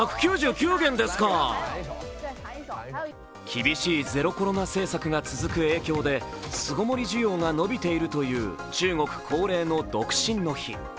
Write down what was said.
厳しいゼロコロナ政策が続く影響で巣ごもり需要が伸びているという中国恒例の独身の日。